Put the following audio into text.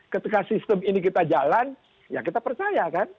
ketika sistem ini kita jalan ya kita percaya kan